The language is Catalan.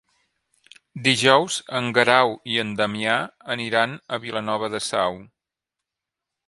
Dijous en Guerau i en Damià aniran a Vilanova de Sau.